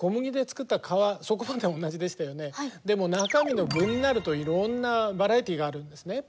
でも中身の具になるといろんなバラエティーがあるんですね。